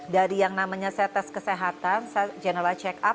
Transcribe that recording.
dari yang namanya saya tes kesehatan saya general check up